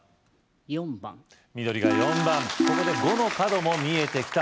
４番緑が４番ここで５の角も見えてきた